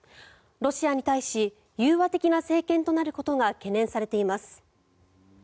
ロシアに対し融和的な政権となることが懸念されています。